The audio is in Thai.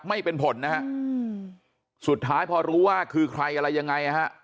ไม่เป็นผลนะฮะสุดท้ายพอรู้ว่าคือใครอะไรยังไงนะฮะ